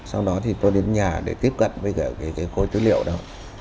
sau đó thì tôi đến nhà để tiếp cận với cái khối tư liệu đó